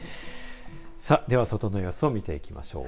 では外の様子を見ていきましょう。